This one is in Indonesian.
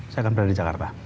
saya akan berada di jakarta